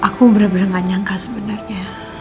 aku benar benar gak nyangka sebenarnya